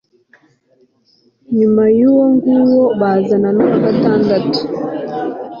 nyuma y'uwo nguwo bazana n'uwa gatandatu